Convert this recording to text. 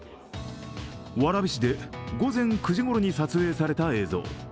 蕨市で午前９時ごろに撮影された映像。